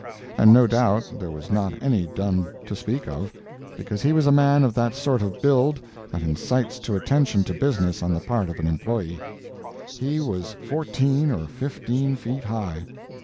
And no doubt there was not any done to speak of, because he was a man of that sort of build that incites to attention to business on the part of an employee. He was fourteen or fifteen feet high.